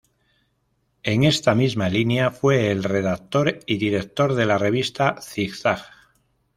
En esta misma línea fue el redactor y director de la revista Zig-Zag.